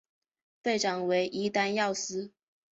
队长为伊丹耀司。